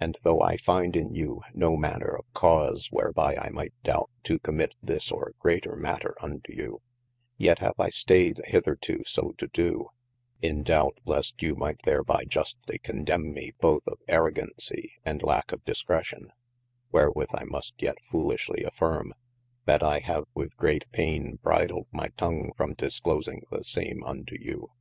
And though I finde in you no manner of cause whereby I might doubt to commit this or greater matter unto you, yet have I stayed hitherto so to doe, in doubt least you might thereby justlie condemne me both of arrogancy and lacke of discretio, wherwith I must yet foolishlye affirme, that I have with great paine brydeled my tongue from disclosing the same unto you.